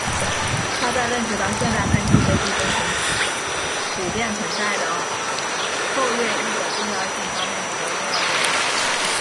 他在认识到现代喷气飞机中普遍存在的后掠翼的重要性方面起到重要作用。